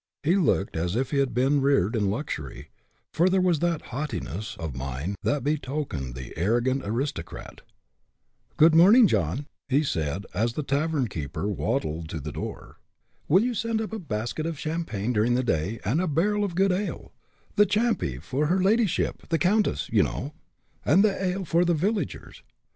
He looked as if he had been reared in luxury, for there was that haughtiness of mien that betokened the arrogant aristocrat. "Good morning, John," he said, as the tavern keeper waddled to the door. "Will you send up a basket of champagne during the day, and a barrel of good ale the champy for her ladyship, the countess, you know, and the ale for the villagers.